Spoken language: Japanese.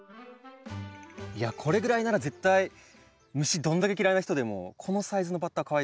これぐらいなら絶対虫どんだけ嫌いな人でもこのサイズのバッタはかわいいですね。